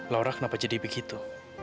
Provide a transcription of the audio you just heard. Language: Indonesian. laura kenapa jadi begitu